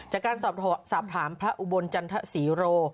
จากการสอบถามพระอุบลจันทศรีโร